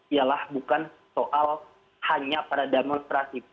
ialah bukan soal hanya pada demonstrasi